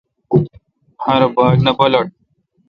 ہر باگ نہ پالٹل۔